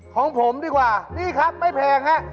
ของผมดีกว่านี่ครับไม่แพงฮะ